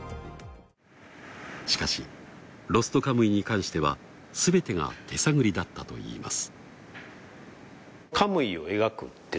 しかし『ロストカムイ』に関してはすべてが手探りだったといいます。